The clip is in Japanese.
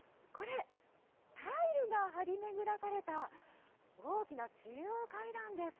タイルが張り巡らされた大きな中央階段です。